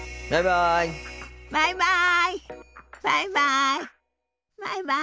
バイバイ。